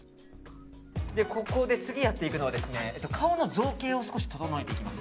ここで次やっていくのは顔の造形を少し整えていきます。